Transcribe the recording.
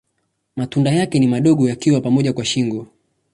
Matunda yake ni madogo yakiwa pamoja kwa shingo.